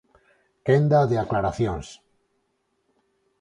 Quenda de aclaracións.